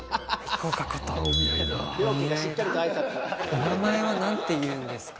お名前は何ていうんですか？